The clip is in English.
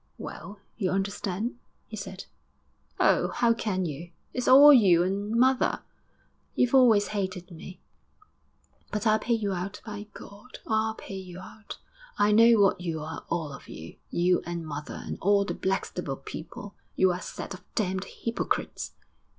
'Well, you understand?' he said. 'Oh, how can you! It's all you and mother. You've always hated me. But I'll pay you out, by God! I'll pay you out. I know what you are, all of you you and mother, and all the Blackstable people. You're a set of damned hypocrites.'